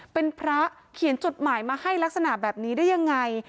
เป็นพระเขียนจดหมายมาให้ลักษณะแบบนี้ได้ยังไง